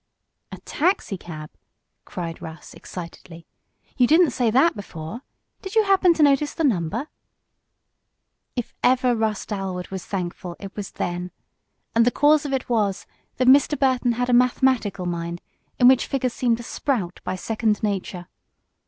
"A taxicab!" cried Russ, excitedly. "You didn't say that before. Did you happen to notice the number?" If ever Russ Dalwood was thankful it was then, and the cause of it was that Mr. Burton had a mathematical mind in which figures seemed to sprout by second nature.